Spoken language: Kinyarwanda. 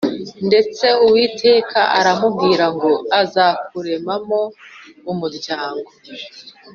Ndetse Uwiteka arakubwiye ngo azakuremamo umuryango.